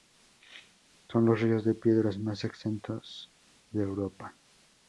Son los ríos de piedras más extensos de Europa.